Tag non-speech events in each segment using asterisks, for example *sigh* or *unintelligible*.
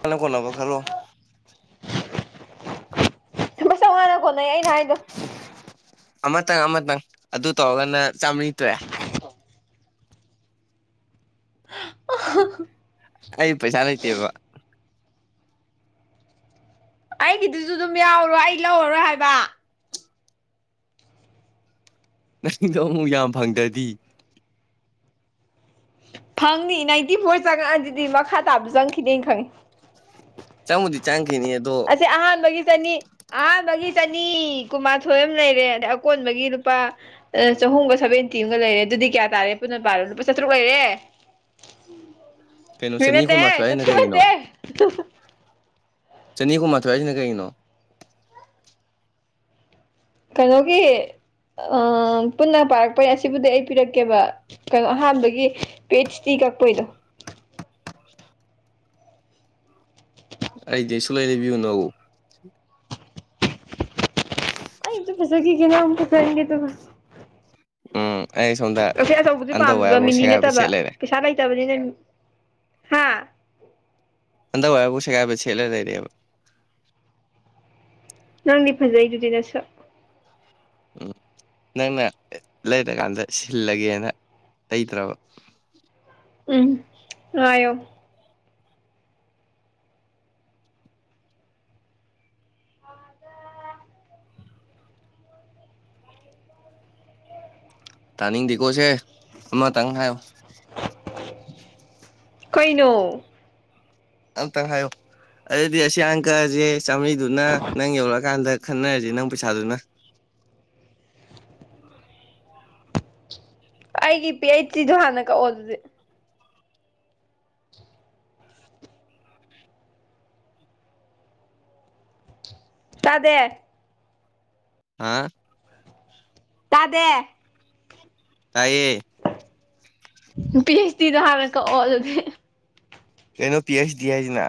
ꯀꯥꯟ ꯀꯣꯅꯕꯣ ꯈꯜꯔꯣ ꯃ ꯆꯞ ꯋꯥꯥꯟꯅ ꯈꯣꯠꯅꯩ ꯑꯩꯅ ꯍꯥꯏꯗꯣ ꯑꯃꯇꯪ ꯑꯃꯇꯪ ꯑꯗꯨ ꯇꯧꯔꯒꯅ ꯆꯥꯝꯃꯔꯤ ꯇꯨꯔꯦ ꯑ ꯑ ꯄꯩꯁꯥ ꯑꯇ ꯏꯕ ꯑꯩꯒꯤꯗꯨꯁꯨ ꯑꯗꯨꯝ ꯌꯥꯎꯔꯣ ꯑꯩ ꯂꯧꯔꯔꯣꯏ ꯍꯥꯏꯕ ꯅꯗꯣ ꯑꯃꯨꯛ ꯌꯥꯝ ꯐꯪꯗ꯭ꯔꯗꯤ ꯐꯪꯅꯤ ꯅꯥꯏꯟꯇꯤ ꯐꯣꯔ ꯆꯪꯉꯛꯑ ꯑꯗꯨꯗꯤ ꯃꯈꯥ ꯇꯥꯕ ꯆꯪꯈꯤꯗꯅ ꯈꯪꯉꯤ ꯆꯪꯉꯨꯗꯤ ꯆꯥꯪꯈꯤꯅꯤꯗꯣ ꯦ ꯑꯍꯥꯟꯕꯒꯤ ꯆꯅꯤ ꯑꯍꯥꯟꯕꯒꯤ ꯆꯅꯤ ꯀꯨꯟꯃꯥꯊꯣꯏ ꯑꯃ ꯂꯩꯔꯦ ꯑꯗꯩ ꯑꯀꯣꯟꯕꯒꯤ ꯅꯨꯨꯄꯥ ꯆꯍꯨꯝ ꯁꯚꯦꯟꯇꯤ ꯑꯃꯒ ꯂꯩꯔꯦ ꯑꯗꯨꯗꯤ ꯀꯌꯥ ꯇꯥꯔꯦ ꯄꯨꯟꯅ ꯄꯥꯔꯣ ꯂꯨꯄꯥ ꯆꯥꯇ꯭ꯔꯨꯛ ꯂꯩꯔꯦ ꯀꯩꯅꯣ ꯆꯅꯤ ꯃꯤꯅꯗ ꯀꯨꯟꯃꯥꯊꯣꯏ ꯍꯥꯏꯁꯤꯅ ꯆꯠ ꯀꯩꯒꯤꯅꯣ ꯅꯠꯇ ꯆꯅꯤ ꯀꯨꯟꯃꯥꯊꯣꯏꯁꯤꯅ ꯀꯩꯅꯣ ꯀꯩꯅꯣꯒꯤ ꯄꯨꯟꯅ ꯄꯥꯔꯛꯄꯩ ꯑꯁꯤꯕꯨꯗꯤ ꯑꯩ ꯄꯤꯔꯛꯀꯦꯕ ꯀꯩꯅꯣ ꯑꯍꯥꯟꯕꯒꯤ ꯄꯦꯠꯁꯇꯤ ꯀꯛꯄꯩꯗꯣ *inaudible* ꯑꯥꯏꯗꯤ ꯁꯂꯥꯏꯅꯦꯕꯤꯌꯅ *inaudible* ꯑ ꯐꯁꯛꯒꯦꯅꯦ ꯐꯁꯛꯦ ꯎꯝ ꯑꯩ ꯁꯣꯝꯗ ꯑꯁꯦ ꯑꯆꯧꯕꯗꯤ ꯄꯥꯝꯃꯤꯕ ꯑꯟꯗꯔꯋꯦꯌꯔꯕꯨ ꯃꯤꯅꯤ ꯁꯦꯒꯥꯏꯕ ꯅꯠꯇꯕ ꯁꯦꯠ ꯂꯩꯔꯦ ꯄꯩꯁꯥ ꯂꯩꯇꯕꯅꯤꯅ ꯍꯥ ꯑꯟꯗꯔ ꯋꯣꯌꯔꯕꯥꯎ ꯁꯦꯒꯥꯏꯕ ꯁꯦꯠꯂꯒ ꯂꯩꯔꯦꯕ ꯅꯪꯗꯤ ꯐꯖꯩꯗꯨꯗꯤ ꯅꯁꯛ ꯎꯝ ꯅꯪꯅ ꯂꯩꯔꯀꯥꯟꯗ ꯁꯤꯜꯂꯒꯦꯅ ꯂꯩꯗ꯭ꯔꯕ ꯎꯝ ꯉꯥꯏꯌꯣ ꯑꯗꯥ ꯇꯥꯅꯤꯡꯗꯦꯀꯣꯁꯦ ꯑꯃꯇꯪ ꯍꯥꯏꯌꯣ ꯀꯩꯅꯣ ꯑꯝꯇꯪ ꯍꯥꯏꯌꯣ ꯑꯗꯨꯗꯤ ꯑꯁꯤ ꯑꯪꯀꯥꯁꯦ ꯆꯥꯝꯃꯔꯤꯗꯨꯅ ꯅꯪ ꯌꯧꯔꯛꯑꯀꯥꯟꯗ ꯈꯟꯅꯔꯁꯤ ꯅꯪ ꯄꯩꯁꯥꯗꯨꯅ ꯑꯩꯒꯤ ꯄꯤ ꯑꯩꯆ ꯗꯣ ꯍꯥꯟꯅ ꯀꯛꯑꯣ ꯑꯗꯨꯗꯤ ꯇꯥꯗꯦ ꯍꯥꯥ ꯇꯗꯦ ꯇꯥꯏꯌꯦ ꯄꯤ ꯑꯩꯆ ꯗꯤꯗ ꯍꯥꯟꯅ ꯀꯛꯑꯣ ꯑꯗꯨꯗꯤ ꯀꯩꯅꯣ ꯄꯤ ꯑꯩꯆ ꯗꯤ ꯍꯥꯏꯁꯤꯅꯥ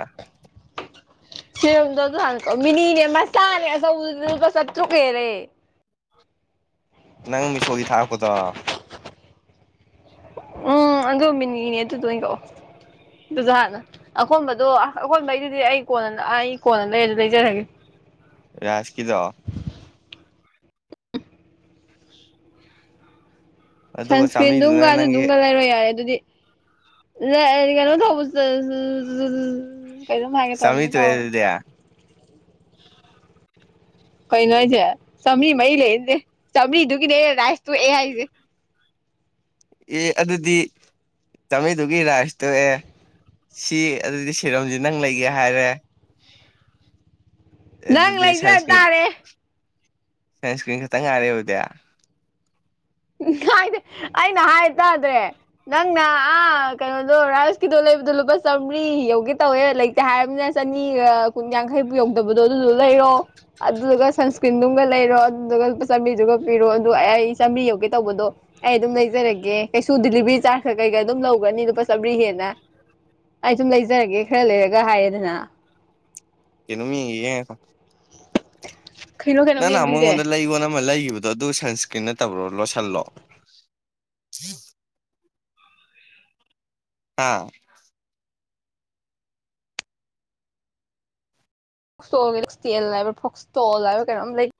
ꯁꯤꯔꯝꯗꯣ ꯑꯗꯨ ꯍꯥꯟꯅ ꯀꯛꯑꯣ ꯃꯤꯅꯤꯅꯦ ꯃꯆꯥꯅꯦ ꯑꯆꯧꯕꯗꯨꯗꯤ ꯂꯨꯄꯥ ꯆꯥꯇ꯭ꯔꯨꯛ ꯍꯦꯜꯂꯦ ꯅꯪ ꯃꯤꯁꯣꯒꯤ ꯊꯥꯔꯛꯄꯗꯣ ꯎꯝ ꯑꯗꯨ ꯃꯤꯅꯤꯅꯦ ꯑꯗꯨꯗꯣ ꯑꯣꯏꯅ ꯀꯛꯑꯣ ꯑꯗꯨꯁꯨ ꯍꯥꯟꯅ ꯑꯀꯣꯟꯕꯗꯣ ꯑꯀꯣꯟꯕꯩꯗꯨꯗꯤ ꯑꯩ ꯀꯣꯟꯅ ꯑꯩ ꯀꯣꯟꯅ ꯂꯩꯔꯁꯨ ꯂꯩꯖꯔꯒꯦ ꯌꯥꯥꯁꯀꯤꯗꯣ ꯑꯗꯨꯒ ꯁꯟꯁꯀ꯭ꯔꯤꯟꯗꯨꯝꯒ ꯆꯥꯝꯃꯔꯤꯗꯨꯅ ꯅꯪꯒꯤ ꯑꯗꯨꯗꯨꯝꯒ ꯂꯩꯔꯣ ꯌꯥꯔꯦ ꯑꯗꯨꯗꯤ ꯀꯩꯅꯣ ꯇꯧꯕꯁꯨ ꯀꯩꯅꯣꯝ ꯍꯥꯏꯒꯦ ꯆꯥꯝꯃꯔꯤ ꯇꯧꯔꯝꯕꯅꯦ ꯇꯣꯛꯑꯦ ꯀꯥꯎꯈ꯭ꯔꯦ ꯑꯗꯨꯗꯤ ꯀꯩꯅꯣ ꯍꯥꯏꯁꯦ ꯆꯥꯝꯔꯤ ꯃꯔꯤ ꯂꯩꯅꯗꯦ ꯆꯥꯝꯔꯤꯗꯨꯒꯤꯅꯦ ꯔꯥꯏꯁ ꯇꯣꯛꯑꯦ ꯍꯥꯏꯁꯦ ꯑꯦ ꯑꯗꯨꯗꯤ ꯆꯥꯝꯔꯤꯗꯨꯒꯤ ꯔꯥꯏꯁ ꯇꯣꯛꯑꯦ ꯁꯤ ꯑꯗꯨꯗꯤ ꯁꯤꯔꯝꯁꯤ ꯅꯪ ꯂꯩꯒꯦ ꯍꯥꯏꯔꯦ ꯅꯪ ꯑꯗꯨꯗꯤ ꯂꯩꯖꯥ ꯁꯟꯁꯀ꯭ꯔꯤꯟ ꯇꯥꯔꯦ ꯁꯟꯁꯀ꯭ꯔꯤꯟ ꯈꯤꯠꯇꯪ ꯉꯥꯏꯔꯦ ꯑꯗꯨꯗꯤ ꯍꯥꯏꯗꯤ ꯑꯩꯅ ꯍꯥꯏ ꯇꯥꯗ꯭ꯔꯦ ꯅꯪꯅ ꯑꯥ ꯀꯩꯅꯣꯗꯣ ꯔꯥꯏꯁꯀꯤꯗꯣ ꯂꯩꯕꯗꯣ ꯂꯨꯄꯥ ꯆꯥꯝꯔꯤ ꯌꯧꯒꯦ ꯇꯧꯋꯦ ꯍꯥꯏꯔꯕꯃꯤꯅꯤꯅ ꯆꯅꯤꯒ ꯀꯨꯟ ꯌꯥꯡꯈꯩꯕꯨ ꯌꯧꯗꯕꯗꯣ ꯑꯗꯨꯗꯣ ꯂꯩꯔꯣ ꯑꯗꯨꯗꯨꯒ ꯁꯟꯁꯀ꯭ꯔꯤꯟꯗꯨꯝꯒ ꯂꯩꯔꯣ ꯑꯗꯨꯗꯨꯒ ꯂꯨꯄꯥ ꯆꯥꯝꯔꯤꯗꯨꯒ ꯄꯤꯔꯣ ꯑꯗꯨꯒ ꯑꯩ ꯆꯥꯝꯔꯤꯌꯧ ꯇꯧꯕꯗꯣ ꯑꯩ ꯑꯗꯨꯝ ꯂꯩꯖꯔꯒꯦ ꯀꯩꯁꯨ ꯗꯤꯂꯤꯕꯔꯤ ꯆꯥꯔꯖ ꯀꯩ ꯀꯩꯒ ꯑꯗꯨꯝ ꯂꯧꯒ꯭ꯔꯥꯅꯤ ꯂꯨꯄꯥ ꯆꯥꯝꯃꯔꯤ ꯍꯦꯟꯅ ꯑꯩ ꯁꯨꯝ ꯂꯩꯖꯔꯒꯦ ꯈꯔ ꯂꯩꯔꯒ ꯍꯥꯏꯌꯦꯗꯅ ꯀꯩꯅꯨꯣꯝ ꯌꯦꯡꯈꯤꯒꯦ ꯉꯥꯏꯈꯣ ꯀꯩꯅꯣ ꯀꯩꯅꯣꯝ ꯅꯪꯅ ꯌꯦꯡꯗꯣꯏꯁꯦ ꯃꯉꯣꯟꯗ ꯂꯩꯌꯣꯅ ꯑꯃ ꯂꯩꯒꯤꯕꯗꯨ ꯑꯗꯣ ꯑꯗꯨ ꯁꯟ꯭ꯁꯀ꯭ꯔꯤꯟ ꯅꯠꯇꯕ꯭ꯔꯣ ꯂꯣꯁꯜꯂꯣ ꯍꯥꯥ ꯇꯦꯜ ꯍꯥꯏꯕ ꯐꯣꯛꯁꯇꯣꯜ ꯍꯥꯏꯕ ꯀꯩꯅꯣꯝ ꯂꯩ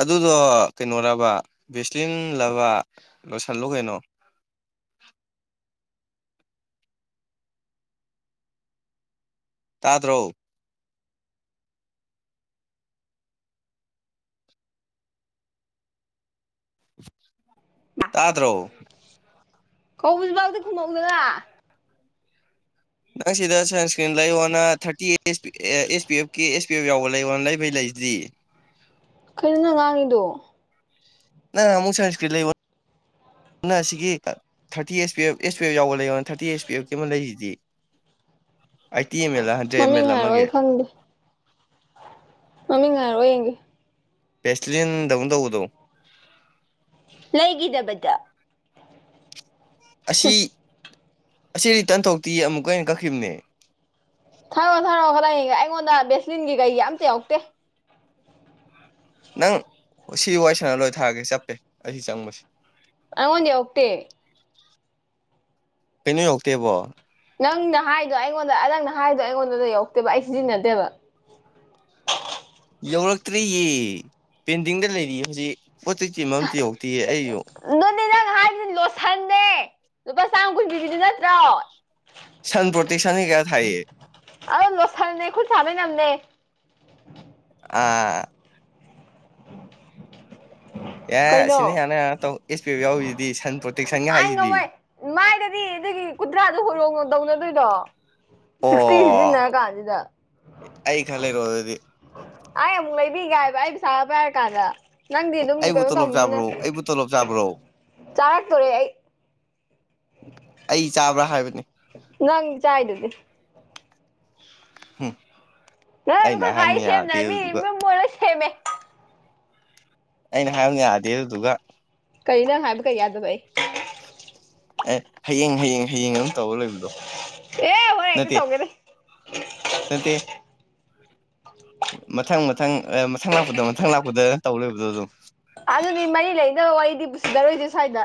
ꯑꯗꯨꯗꯣ ꯀꯩꯅꯣꯔꯕ ꯚꯦꯁꯂꯤꯟꯂꯕ ꯂꯣꯏꯁꯜꯂꯣ ꯀꯩꯅꯣ ꯇꯥꯗ꯭ꯔꯣ ꯇꯥꯗ꯭ꯔꯣ ꯀꯧꯕꯁꯤꯕꯥꯎꯗꯤ ꯈꯨꯝꯃꯛꯎꯗꯅ ꯅꯪ ꯁꯤꯗ ꯁꯟꯁꯀ꯭ꯔꯤꯟ ꯂꯩꯌꯣꯅ ꯊꯥꯔꯇꯤ ꯑꯦꯁ ꯄꯤ ꯑꯦꯐ ꯀ ꯑꯦꯁ ꯄꯤ ꯑꯦꯐ ꯌꯥꯎꯕ ꯂꯩꯌꯣꯅ ꯂꯩꯕꯩ ꯂꯩꯁꯤ꯭ꯗꯤ ꯀꯩꯅꯣ ꯅꯪ ꯉꯥꯡꯉꯤꯗꯣ ꯅꯪ ꯑꯃꯨꯛ ꯁꯟꯏꯁꯀ꯭ꯔꯤꯟ ꯂꯩꯌꯣ ꯑꯗꯨꯅ ꯑꯁꯤꯒꯤ thirty S P F S P F ꯌꯥꯎꯕ ꯂꯩꯌꯣꯅ ꯊꯥꯔꯇꯤ ꯑꯦꯁ ꯄꯤ ꯑꯦꯐ ꯀꯤ ꯑꯃ ꯂꯩꯔꯤꯁꯤꯗꯤ eighty M L hundred M L ꯑꯃꯒꯤ ꯍꯪ ꯃꯃꯤꯡ ꯉꯥꯏꯔ ꯌꯦꯡꯒꯦ ꯄꯦꯁꯇꯂꯤꯟꯗꯧꯅ ꯇꯧꯕꯗꯣ ꯂꯩꯈꯤꯗꯕꯗ ꯑꯁꯤ ꯑꯁꯤ ꯔꯤꯇꯟ ꯊꯣꯛꯇꯤ ꯑꯃꯨꯛꯀ ꯑꯣꯏꯅ ꯀꯛꯈꯤꯕꯅꯦ ꯊꯥꯔꯣꯑꯣ ꯊꯔꯣ ꯈꯗꯪꯅꯤꯒ ꯑꯩꯉꯣꯟꯗ ꯕꯦꯁꯂꯤꯟꯒꯤ ꯀꯩ ꯌꯥꯝꯇ ꯌꯥꯎꯧꯛꯇꯦ ꯅꯪ ꯁꯤ ꯋꯥꯏ ꯁꯥꯟꯅ ꯂꯣꯏ ꯊꯥꯔꯒꯦ ꯆꯠꯄꯦ ꯑꯩ ꯆꯪꯕꯁꯦ ꯑꯅꯦ ꯑꯣꯇꯦ ꯀꯩꯅꯣ ꯌꯧꯛꯇꯦꯕꯣ ꯅꯪꯅ ꯍꯥꯏꯗꯣ ꯑꯩꯉꯣꯟꯗ ꯅꯪꯅ ꯍꯥꯏꯗꯣ ꯑꯩꯉꯣꯟꯗꯗ ꯌꯧꯔꯛꯇꯦꯕ ꯑꯩ ꯁꯤꯖꯤꯟꯅꯗꯦꯕ ꯌꯧꯔꯛꯇ꯭ꯔꯤꯌꯦ ꯄꯦꯟꯗꯤꯡꯗ ꯂꯩꯔꯤꯌꯦ ꯍꯧꯖꯤꯛ ꯄꯣꯠ ꯆꯩꯛꯇꯤ ꯑꯃ ꯑꯝꯇ ꯌꯧꯗꯦꯌꯦ ꯑꯩꯁꯨ ꯅꯣꯅꯦ ꯅꯪ ꯍꯥꯏꯁꯤꯅꯦ ꯂꯣꯁꯟꯅꯦ ꯂꯨꯄꯥ ꯆꯥꯝꯃ ꯀꯨꯟ ꯄꯤꯕꯤꯗꯨ ꯅꯠꯇ꯭ꯔꯣ ꯁꯟ ꯄ꯭ꯔꯣꯇꯦꯛ ꯁꯟ ꯀꯌꯥ ꯊꯥꯏꯌꯦ ꯑ ꯂꯣꯁꯜꯅꯦ ꯈꯨꯠ ꯁꯥ ꯃ ꯅꯝꯅꯦ ꯑꯥ ꯑꯦ ꯀꯩꯅꯣ ꯑꯁꯤꯅ ꯍꯥꯟꯅ ꯍꯅ ꯇꯧ ꯑꯦꯁ ꯄꯤ ꯑꯦꯐ ꯌꯥꯎꯔꯤꯁꯤꯗꯤ ꯁꯟ ꯄ꯭ꯔꯣꯇꯦꯛꯁꯟꯒ ꯑꯥꯏ ꯍꯥꯏꯁꯤꯗꯤ ꯉꯝꯃꯣꯏ ꯃꯥꯏꯗꯗꯤ ꯑꯗꯨꯗꯒꯤ ꯀꯨꯟꯊ꯭ꯔꯥꯗꯣ ꯍꯣꯔꯣꯡꯅꯣ ꯇꯧꯅꯗꯣꯏꯔꯣ ꯁꯤꯛꯁꯇꯤ ꯑꯣ ꯁꯤꯖꯤꯟꯅ ꯀꯥꯟꯁꯤꯗ ꯑꯩ ꯈꯔ ꯂꯩꯔꯣ ꯑꯗꯨꯗꯤ ꯑꯩ ꯑꯃꯨꯛ ꯂꯩꯕꯤꯒꯥꯏ ꯍꯥꯏꯕ ꯑꯩ ꯄꯩꯁꯥ ꯄꯥꯏꯔ ꯀꯥꯟꯗ ꯅꯪꯗꯤ ꯑꯗꯨꯝ ꯑꯩꯕꯨ ꯀꯩꯅꯣ ꯇꯣꯂꯣꯞ ꯆꯥꯕ꯭ꯔꯣ ꯑꯩꯕꯨ ꯇꯣꯂꯣꯞ ꯆꯥꯕ꯭ꯔꯣ ꯆꯥꯔ ꯇꯔꯩ ꯑꯩ ꯆꯥꯕ꯭ꯔꯥ ꯍꯥꯏꯕꯅꯤ ꯅꯪ ꯆꯥꯏꯗꯨꯗꯤ ꯍꯣꯏ ꯉ ꯑꯗꯨ ꯀꯥꯏ ꯁ ꯁꯦꯝꯦꯃ ꯅ ꯃꯤ ꯃ ꯁꯦꯃꯦ ꯑꯩꯅ ꯍꯥꯏꯕ ꯌꯥꯗꯦ ꯑꯗꯨꯗꯨꯒ ꯀꯔꯤꯅꯪ ꯍꯥꯏꯕ ꯀꯔꯤ ꯌꯥꯗꯕ ꯑꯩ ꯑꯦ ꯍꯌꯦꯡ ꯍꯌꯦꯡ ꯍꯌꯦꯡ ꯑꯗꯨꯝ ꯇꯂ ꯏꯣ ꯑꯦ ꯍꯣꯔꯦꯟ ꯍꯦꯛꯇ ꯅꯠꯇ ꯇꯧꯒꯦꯅꯦ ꯅꯠꯇ ꯃꯊꯪ ꯃꯊꯪ ꯃꯊꯪ ꯂꯥꯛꯄꯗ ꯃꯊꯪ ꯂꯥꯛꯄꯗ ꯇꯧ ꯂꯣꯏꯕꯗꯣ ꯑꯗꯨꯝ ꯑꯗꯨꯗꯤ ꯃꯔꯤ ꯂꯩꯅꯕ ꯋꯥꯔꯤꯗꯤ ꯄꯨꯁꯤꯔꯣꯏꯁꯦ ꯁ꯭ꯋꯥꯏꯗ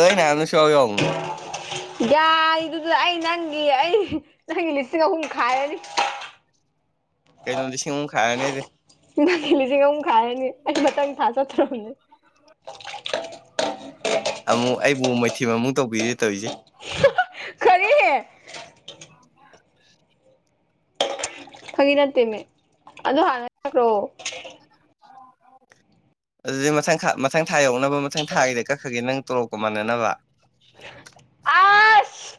ꯑꯏꯅꯦꯅ ꯁꯕ ꯋꯥꯉꯣ ꯌꯥꯏꯗꯨꯗ ꯑꯩ ꯅꯪꯒꯤ ꯑꯩ ꯅꯪꯒꯤ ꯂꯤꯁꯤꯡ ꯑꯍꯨꯝ ꯈꯥꯏꯔꯅꯤ ꯀꯩꯅꯣ ꯂꯤꯁꯤꯡꯃꯨꯛꯈꯥꯏꯔꯅꯤꯗꯤ ꯅꯊ ꯂꯤꯁꯤꯡ ꯑꯨꯝꯛ ꯈꯥꯏꯔꯅꯤ ꯑꯩ ꯃꯊꯪ ꯊꯥ ꯆꯠꯊ꯭ꯔꯕꯅꯦ ꯑꯃꯨꯛ ꯑꯩꯕꯨ ꯃꯩꯊꯤ ꯑꯃꯨꯛ ꯇꯧꯕꯤꯔꯦ ꯇꯧꯔꯤꯁꯦ *unintelligible* ꯐꯥꯒꯤ ꯅꯠꯇꯦꯃꯦ ꯑꯗꯨ ꯍꯥꯟꯅ ꯆꯈ꯭ꯔꯣ ꯑꯗꯨꯗꯤ ꯃꯊꯪ ꯃꯊꯪ ꯊꯥ ꯌꯧꯅꯕ ꯃꯊꯪ ꯊꯥꯒꯤꯗ ꯀꯛꯈ꯭ꯔꯒꯦ ꯅꯪ ꯇꯣꯂꯣꯞꯀ ꯃꯥꯟꯅꯅꯕ ꯑꯁ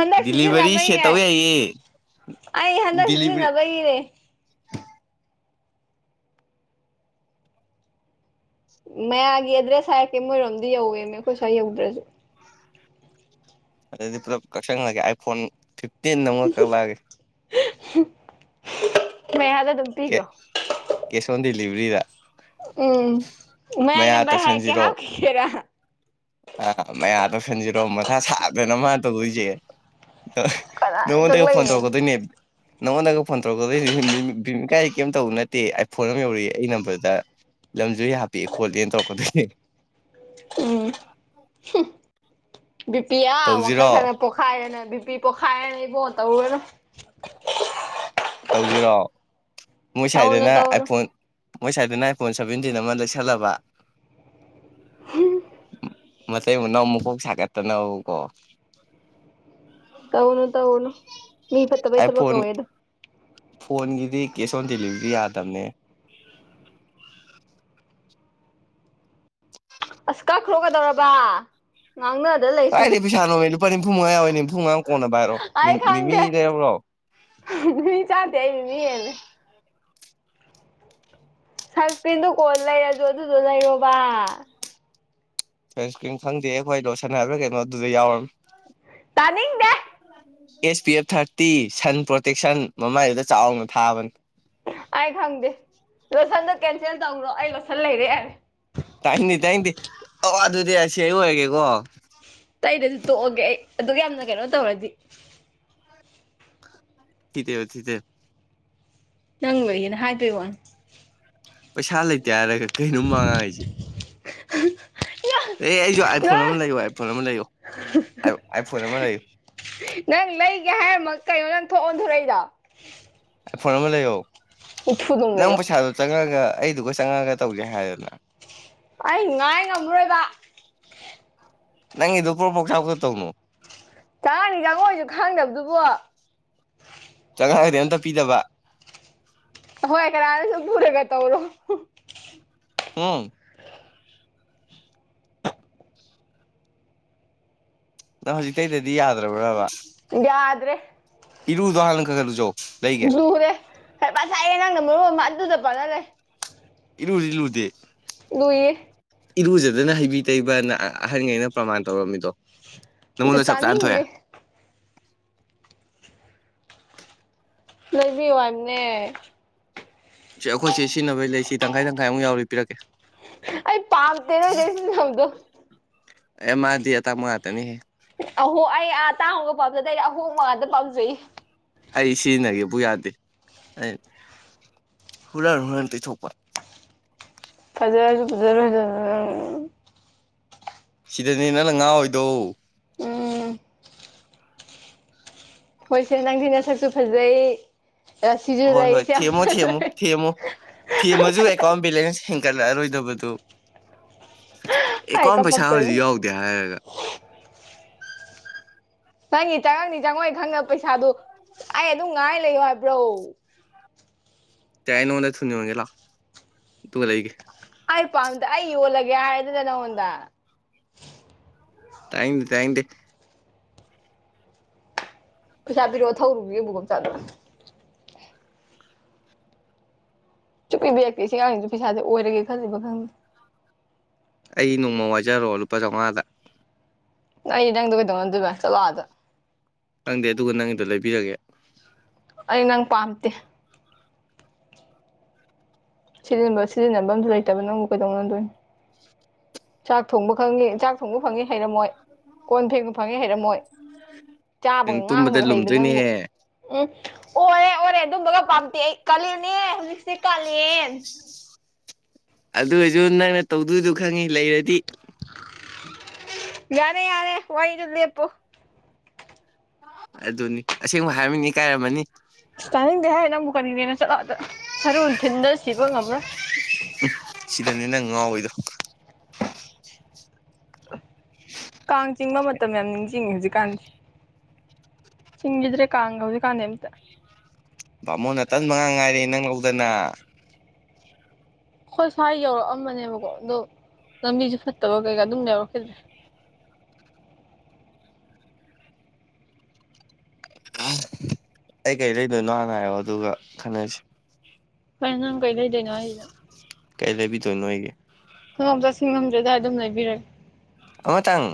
ꯍꯟꯗꯛ ꯗꯤꯂꯤꯚꯔꯤ ꯁꯦꯠ ꯁꯤꯖꯤꯟꯅꯕꯩꯅꯦ ꯇꯧ ꯌꯥꯏꯌꯦ ꯑꯩ ꯍꯟꯗꯛ ꯗꯤꯂꯤꯚꯔꯤ ꯁꯤꯖꯤꯟꯅꯕꯒꯤꯅꯦ ꯃꯌꯥꯒꯤ ꯑꯦꯗ꯭ꯔꯦꯁ ꯍꯥꯏꯔꯛꯀꯦ ꯃꯣꯏꯔꯣꯝꯗ ꯌꯧꯋꯦꯅꯦꯈꯣꯏ ꯁ꯭ꯋꯥꯏ ꯌꯧꯗ꯭ꯔꯁꯨ ꯑꯗꯨꯗꯤ ꯄꯨꯂꯞ ꯀꯛꯁꯪꯍꯜꯂꯒꯦ ꯑꯥꯏꯐꯣꯟ ꯐꯤꯞꯇꯤꯟ ꯑꯃꯛ ꯀꯛꯂꯛꯑꯒꯦ ꯃ ꯍꯥꯗ ꯑꯗꯨ ꯀꯦꯁ ꯑꯣꯟ ꯗꯤꯂꯤꯕꯔꯤꯗ ꯎꯝ ꯃꯌꯥꯏꯒꯤ ꯅꯝꯕꯔ ꯍꯥꯏꯀꯦ ꯍꯥꯎꯈꯤꯒꯦꯔꯥ ꯑ ꯃꯌꯥ ꯇꯧꯁꯟꯖꯤꯔꯣ ꯃꯊꯥ ꯁꯥꯗꯅ ꯃꯥ ꯇꯧꯗꯣꯏꯁꯦ ꯑ ꯀꯅꯥꯅ ꯅꯣꯡꯉꯣꯟꯇꯒ ꯐꯣꯟ ꯀꯛꯂꯛꯏꯅꯣ ꯇꯧꯔꯛꯀꯗꯣꯏꯅꯦ ꯅꯉꯣꯟꯗꯒ ꯐꯣꯟ ꯇꯧꯔꯛꯀꯗꯣꯏꯅꯤꯅꯦ ꯀꯥꯏ ꯀꯩꯝ ꯇꯧꯕ ꯅꯠꯇꯦ ꯑꯩ ꯐꯣꯟ ꯑꯃ ꯌꯧꯔꯛꯏ ꯑꯩ ꯅꯝꯕꯔꯗ ꯂꯝꯁꯨ ꯍꯥꯄꯦꯑꯦ ꯈꯣꯠꯂꯦꯅ ꯇꯧꯔꯛꯀꯗꯣꯏꯅꯦ ꯎꯝ *inaudible* ꯕꯤꯄꯤ ꯑꯥ ꯋꯥꯡꯈꯜ ꯇꯧꯁꯤꯔꯣ ꯈꯔꯅ ꯄꯣꯛꯈꯥꯏꯔꯅ ꯕꯤꯄꯤ ꯄꯣꯈꯥꯏꯔꯅ ꯏꯕꯣꯟ ꯇꯧꯔꯨꯔꯅꯨ ꯇꯧꯁꯤꯔꯛꯣꯑꯣ ꯃꯣꯏ ꯇꯧꯅꯨ ꯁ꯭ꯋꯥꯏꯗꯅ ꯇꯧꯅꯨ ꯑꯥꯏꯐꯣꯟ ꯃꯣꯏ ꯁꯥꯏꯏꯗꯅ ꯑ ꯐꯣꯟ ꯁꯚꯦꯟꯇꯤꯟ ꯑꯃ ꯂꯩꯁꯜꯂꯕ ꯃ ꯏ ꯅꯧꯃꯛꯒ ꯁꯥꯀꯠꯇ ꯅ ꯀꯣ ꯇꯧꯅ ꯇꯧꯅ ꯃꯤ ꯐꯠꯇꯕꯩ ꯊꯕꯛ ꯑꯥꯏꯐꯣꯟ ꯀꯧꯋꯦꯗ ꯐꯣꯟꯒꯤꯗꯤ ꯀꯦꯁ ꯑꯣꯟ ꯗꯦꯂꯤꯚꯔꯤ ꯌꯥꯗꯕꯅꯦ ꯑꯁ ꯀꯛꯈ꯭ꯔꯣꯒꯗꯧꯔꯕ ꯉꯪꯅ ꯑꯗ ꯀꯏꯗꯤ ꯄꯩꯁꯥ ꯅꯣꯃꯦꯦ ꯂꯨꯄꯥ ꯅꯤꯐꯨ ꯃꯉꯥ ꯌꯥꯎꯋꯦ ꯅꯤꯐꯨ ꯃꯉꯥ ꯀꯣꯟꯅꯕ ꯍꯥꯏꯔꯣ ꯑꯩ ꯃꯤꯃꯤ ꯈꯪꯗꯦ ꯂꯩꯔꯧꯔꯣ ꯃꯤ ꯆꯥꯇ ꯃꯤꯅꯦ ꯁꯟꯁꯀ꯭ꯔꯤꯟꯗꯨꯣ ꯀꯣꯟ ꯂꯩꯔꯁꯨ ꯑꯗꯨꯗꯣ ꯂꯩꯔꯣꯕ ꯁꯟꯁꯀ꯭ꯔꯤꯝ ꯈꯪꯗꯦ ꯑꯩꯈꯣꯏ ꯂꯣꯁꯟ ꯍꯥꯏꯕ꯭ꯔꯥ ꯀꯩꯅꯣ ꯑꯗꯨꯗ ꯌꯥꯎꯔꯝꯅꯤ ꯇꯥꯅꯤꯡꯗꯦ S P F thirty sun protection ꯃꯃꯥꯏꯗꯨꯗ ꯆꯥꯎꯅ ꯊꯥꯕꯅꯤ ꯑꯩ ꯈꯪꯗꯦ ꯂꯣꯠꯁꯟꯗꯣ ꯀꯦꯟꯁꯦꯜ ꯇꯧ꯭ꯔꯣ ꯑꯩ ꯂꯣꯠꯁꯟ ꯂꯩꯔꯦ ꯌꯥꯔꯦ ꯇꯥꯏꯗꯦ ꯇꯥꯏꯗꯦ ꯑꯣ ꯑꯗꯨꯗꯤ ꯑꯁꯤ ꯑꯩ ꯑꯣꯏꯔꯒꯦꯀꯣ ꯇꯩꯗꯁꯨ ꯇꯣꯛꯑꯒꯦ ꯑꯩ ꯑꯗꯨꯒ ꯌꯥꯝꯅ ꯀꯩꯅꯣ ꯇꯧꯔꯗꯤ ꯊꯗꯦ ꯊꯦ ꯅꯪ ꯂꯩꯏꯌꯦꯅ ꯍꯥꯏꯗꯣꯏ ꯋꯥ ꯄꯩꯁꯥ ꯂꯩꯇꯦ ꯍꯥꯏꯔꯒ ꯀꯩꯅꯣꯝ ꯃꯉ ꯍꯥꯏꯁꯦ ꯑꯦ ꯑꯩꯁꯨ ꯑꯥꯏꯐꯣꯟ ꯅꯪ ꯑꯃ ꯂꯩꯌꯣ ꯑꯥꯏꯐꯣꯟ ꯑꯃ ꯂꯩꯌꯣ ꯑꯥꯏꯐꯣꯟ ꯑꯃ ꯂꯩꯌꯨ ꯅꯪ ꯂꯩꯒꯦ ꯍꯥꯏꯔꯃꯛ ꯀꯩꯅꯣ ꯅꯪ ꯊꯣꯛ ꯑꯣꯟꯊꯣꯔꯛꯏꯗꯣ ꯐꯣꯟ ꯑꯃ ꯂꯩꯌꯣ ꯎꯐꯨ ꯑꯗꯨꯝ ꯅꯪ ꯂꯩꯌꯣ ꯄꯩꯁꯥꯗꯣ ꯆꯪꯉꯛꯒ ꯑꯩꯗꯨꯒ ꯆꯪꯉꯛꯒ ꯇꯧꯖꯦ ꯍꯥꯏꯗꯅ ꯑꯩ ꯉꯥꯏ ꯉꯝꯃꯔꯣꯏꯕ ꯅꯪꯤ ꯑꯗꯨ ꯄ꯭ꯔꯣꯄꯣꯛꯁꯥꯒ ꯇꯧꯅꯣ ꯆꯔꯥꯅꯤ ꯆꯪꯉꯣꯏꯁꯨ ꯈꯪꯗꯕꯗꯨꯕꯣ ꯆꯉꯒꯔꯤ ꯑꯝꯇ ꯄꯤꯗꯕ ꯍꯣꯏ ꯀꯅꯥꯅ ꯁꯨꯝ ꯄꯨꯔꯒ ꯇꯧꯔꯣ ꯍꯝ ꯑꯗ ꯍꯧꯖꯤꯛꯇꯩꯗꯗꯤ ꯌꯥꯗ꯭ꯔꯕ꯭ꯔꯕ ꯌꯥꯗ꯭ꯔꯦ ꯏꯔꯨꯗꯍꯥꯂꯅꯒꯜꯨꯖꯣꯛꯑꯣ ꯖꯨꯔꯦ ꯉꯁꯥꯏꯌꯦ ꯅꯪꯅ ꯃꯔꯨꯞ ꯑꯃ ꯑꯗꯨꯗ ꯄꯥꯟꯅꯔꯦ ꯏꯂꯨꯗꯤꯜꯂꯨꯗꯦ ꯂꯨꯏꯌꯦ ꯏꯔꯨꯖꯗꯅ ꯍꯩꯕꯤ ꯇꯩꯕꯅ ꯑꯍꯟꯈꯩꯅ ꯄ꯭ꯔꯃꯥꯟ ꯇꯧꯔꯝꯃꯤꯗꯣ ꯑꯗꯨ ꯅꯪꯉꯣꯟꯗ ꯆꯞ ꯆꯥꯅ ꯇꯅꯤꯡꯗꯤ ꯊꯣꯛꯑꯦ ꯂꯩꯕꯤꯌꯨ ꯍꯥꯏꯕꯅꯦ ꯁ ꯑꯩꯈꯣꯏꯁꯦ ꯁꯤꯖꯤꯟꯅꯕꯩ ꯂꯩꯁꯤ ꯇꯪꯈꯥꯏ ꯇꯪꯈꯥꯏꯃꯨ ꯌꯥꯎꯔꯤ ꯄꯤꯔꯛꯀꯦ ꯑꯩ ꯄꯥꯝ ꯇꯔꯣꯏꯩꯁꯤ ꯑꯝꯗꯣ ꯑꯦ ꯃꯥꯥꯗꯤꯦ ꯇ ꯃꯣꯏ ꯍꯥꯅꯤ ꯍꯦ ꯑꯍꯣ ꯑꯩ ꯑꯥ ꯇꯥꯡꯍꯒ ꯄꯥꯝꯖꯗꯣꯏꯗ ꯑꯍꯣꯡ ꯃꯉꯥꯟꯇ ꯄꯥꯝꯖꯩꯌꯦ ꯑꯩ ꯁꯤꯖꯤꯟꯅꯒꯦꯕꯨ ꯌꯥꯗꯦ ꯍꯨꯔꯥꯟ ꯍꯨꯔꯥꯟ ꯇꯩꯊꯣꯛꯄ ꯐꯖꯔꯁꯨ ꯐꯖꯔ ꯐꯖ ꯁꯤꯗꯅꯦ ꯅꯪꯅ ꯉꯍꯥ ꯑꯣꯏꯣꯏꯗꯣ ꯎꯝ ꯃꯣꯏꯁꯦ ꯅꯪꯊꯤꯅ ꯁꯛꯁꯨ ꯐꯖꯩ ꯁꯤꯁꯨ ꯂꯩꯁꯦ ꯌꯥꯝ ꯐꯖ ꯊꯃꯣ ꯊꯦꯝ ꯃꯁꯨꯨ ꯑꯦꯀꯥꯎꯟ ꯕꯦꯂꯦꯟꯁ ꯍꯦꯟꯒꯠꯂꯛꯑꯔꯣꯏꯗꯕꯗꯨ ꯑꯩ ꯑꯦꯀꯥꯎꯟ ꯄꯩꯁꯥ ꯍꯧꯖꯤꯛ ꯀꯞꯄꯛꯇꯣꯏꯅꯤ ꯌꯥꯎꯗꯦ ꯍꯥꯏꯔꯒ ꯅꯪꯅꯤ ꯆꯪꯉꯪꯅꯤ ꯆꯪꯉꯣꯏ ꯈꯪꯗ ꯄꯩꯁꯥꯗꯣ ꯑꯩ ꯑꯗꯨꯝ ꯉꯥꯏ ꯂꯩꯌꯣ ꯍꯥꯏꯕ꯭ꯔꯣ ꯇꯏ ꯅꯅꯅꯅꯒꯦ ꯂꯥꯛ ꯇꯨꯡꯗꯥ ꯑꯩꯒꯤ ꯑꯩ ꯄꯥꯝꯗꯦ ꯑꯩ ꯌꯣꯜꯂꯒꯦ ꯍꯥꯏꯔꯗꯅ ꯅꯪꯉꯣꯟꯗ ꯇꯥꯏꯗ ꯇꯥꯏ ꯄꯩꯁꯥ ꯄꯔꯛꯑꯣ ꯊꯧꯔꯨꯒ ꯌꯦꯕꯨ ꯀꯝ ꯆꯥꯗꯅ ꯁꯨꯡꯄꯤ ꯄꯤꯔꯛꯇꯦ ꯑꯁꯤꯉꯥꯡꯖꯤ ꯄꯩꯥꯥꯁꯦ ꯑꯣꯏꯔꯒꯦ ꯈꯜꯂꯤꯕ ꯈꯪꯗꯦ ꯑꯩ ꯅꯣꯡꯃ ꯋꯥꯏꯖꯔꯔꫭ ꯂꯨꯄꯥ ꯆꯧꯉꯥꯗ ꯑꯩ ꯅꯪꯗꫭ ꯀꯩꯅꯗꯧꯅꯗꫭꯏꯕ ꯆꯠꯂꫭ ꯑꯥꯗ ꯈꯪꯗꯦ ꯑꯗꯨꯒ ꯅꯪꯒꯤꯗꯣ ꯂꯩꯕꯤꯔꯒꯦ ꯑꯩ ꯅꯪ ꯄꯥꯝꯇꯦ ꯁꯤꯖꯤꯟꯅꯕ ꯁꯤꯖꯤꯟꯅꯕꯝꯖꯨ ꯂꯩꯇꯕ ꯅꯪꯕꯨ ꯀꯩꯗꯧꯅꯗꯣꯏꯅꫭ ꯆꯥꯛ ꯊꯣꯡꯕ ꯈꯪꯉꯤ ꯆꯥꯛ ꯊꯣꯡꯕ ꯐꯪꯉꯤ ꯍꯩꯔꯝꯃꯣꯏ ꯀꯣꯟ ꯐꯦꯡꯕ ꯐꯪꯉꯦ ꯍꯩꯔꯝꯃꯣꯏ ꯅꯪ ꯆꯥꯕꯒ ꯇꯨꯝꯕꯗ ꯉꯥꯡꯕꯒ ꯍꯩꯕ ꯅꯪꯕꯨ ꯂꯨꯝꯗꯣꯏꯅꯦꯍꯦ ꯎꯝ ꯑꯣꯔꯦ ꯑꯣꯔꯦ ꯑꯗꯨꯝꯕꯒ ꯄꯥꯝꯗꯦ ꯑꯩ ꯀꯥꯂꯦꯟꯅꯦ ꯍꯧꯖꯤꯛꯁꯦ ꯀꯥꯂꯦꯟ ꯑꯗꯨ ꯑꯣꯏꯁꯨ ꯅꯪꯅ ꯇꯧꯗꯣꯏꯗꯨ ꯈꯪꯉꯤ ꯂꯩꯔꯗꯤ ꯌꯥꯔꯦ ꯌꯥꯔꯦ ꯋꯥꯔꯤꯗꯨ ꯂꯦꯞꯄꯨ ꯑꯗꯨꯅꯤ ꯑꯁꯦꯡꯕ ꯍꯥꯏꯔꯝꯃꯤꯅ ꯏꯀꯥꯏꯔꯝꯃꯅꯤ ꯏꯁꯇꯥꯥꯅꯤꯡꯗꯦ ꯍꯦ ꯅꯪꯕꯨ ꯀꯔꯤꯅꯦꯅ ꯆꯠꯂꯨ ꯑꯥꯗ ꯁꯔꯨ ꯊꯤꯟꯗꯅ ꯁꯤꯕ ꯉꯝꯃꯔꫭꯏ ꯁꯤꯗꯅꯦ ꯅꯪ ꯉꯥꯎꯋꯤꯗꯣ *inaudible* ꯀꯥꯡ ꯆꯤꯡꯕ ꯃꯇꯝ ꯌꯥꯝ ꯅꯤꯡꯁꯤꯡꯉꯤ ꯍꯧꯖꯤꯛꯀꯥꯟꯁꯦ ꯆꯤꯡꯒꯤꯗ꯭ꯔꯦ ꯀꯥꯡꯒ ꯍꯧꯖꯤꯛ ꯀꯥꯟꯗꯤ ꯑꯝꯇ ꯕꯥꯃꯣꯟ ꯑꯇꯟꯕ ꯉꯥꯛ ꯉꯥꯏꯔꯦ ꯅꯪ ꯂꯧꯗꯅ ꯑꯈꫭꯏ ꯁ꯭ꯋꯥꯏ ꯌꯧꯔꯛꯑꯝꯕꯅꯦꯕꯀꯣ ꯑꯗꯣ ꯂꯝꯕꯤꯁꯦ ꯐꯠꯇꯕ ꯀꯩꯀꯥ ꯑꯗꯨꯝ ꯌꯧꯔꯛꯈꯤꯗ꯭ꯔꯦ ꯑ ꯑꯩ ꯀꯩ ꯂꯩꯗꯣꯏꯅꯣ ꯍꯥꯟꯅ ꯍꯥꯏꯔꫭ ꯑꯗꯨꯒ ꯈꯟꯅꯁꯤ ꯀꯩ ꯅꯪ ꯀꯩ ꯂꯩꯗꯦꯏꯅꯣ ꯍꯥꯏꯖꯤꯅ ꯀꯩ ꯂꯩꯕꯤꯗꯣꯏꯅꯣ ꯑꯩꯒꯤ ꯈꯪꯉꯨꯞ ꯆꯠ ꯁꯤꯡꯉꯝꯗ꯭ꯔꯦꯗꯥꯏ ꯑꯗꯨꯃ ꯂꯩꯕꯤꯔꯒꯦ ꯑꯃꯇꯪ